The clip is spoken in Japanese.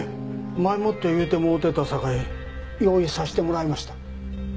前もって言うてもろてたさかい用意させてもらいました。